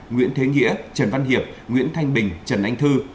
nguyễn thế nghĩa trần văn hiệp nguyễn thanh bình trần anh thư